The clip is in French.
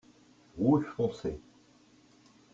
Rouge foncé.